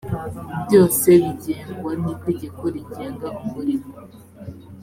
byose bigengwa n ‘itegeko rigenga umurimo.